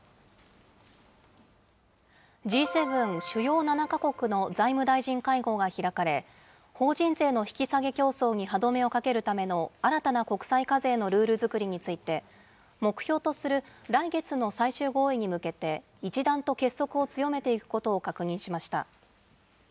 Ｇ７・主要７か国の財務大臣会合が開かれ、法人税の引き下げ競争に歯止めをかけるための新たな国際課税のルール作りについて、目標とする来月の最終合意に向けて、一段と結束を強めていくことを確認しました。